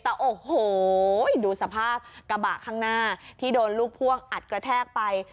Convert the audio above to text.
แต่โอ้โหดูสภาพกระบะข้างหน้าที่โดนลูกพ่วงอัดกระแทกไป